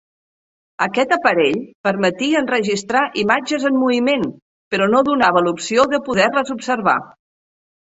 Aquest aparell permetia enregistrar imatges en moviment, però no donava l'opció de poder-les observar.